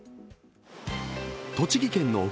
栃木県の奥